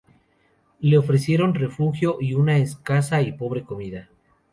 Le ofrecieron refugio y una escasa y pobre comida.